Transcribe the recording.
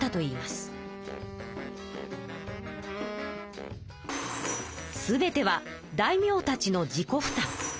すべては大名たちの自己負担。